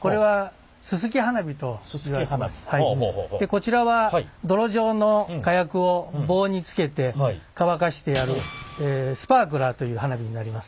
こちらは泥状の火薬を棒に付けて乾かしてあるスパークラーという花火になります。